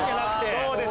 そうです。